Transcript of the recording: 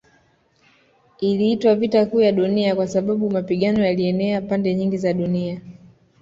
Iliitwa Vita Kuu ya Dunia kwa sababu mapigano yalienea pande nyingi za dunia